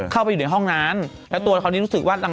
เข้าไปอยู่ในห้องนั้นแล้วตัวเขานี่รู้สึกว่า